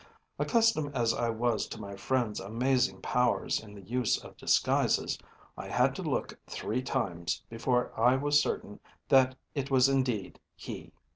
Accustomed as I was to my friend’s amazing powers in the use of disguises, I had to look three times before I was certain that it was indeed he.